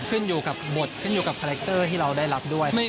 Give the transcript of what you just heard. ขึ้นอยู่กับบทขึ้นอยู่กับคาแรคเตอร์ที่เราได้รับด้วย